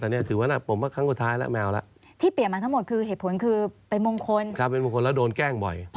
โดนย้ายไปเรื่อยครับ